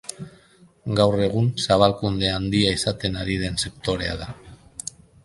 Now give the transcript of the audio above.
Gaur egun zabalkunde handia izaten ari den sektorea da.